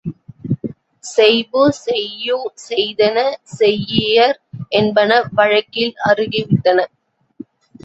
செய்பு, செய்யூ, செய்தென, செய்யியர் என்பன வழக்கில் அருகி விட்டன.